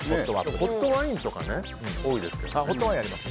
ホットワインとか多いですけどね。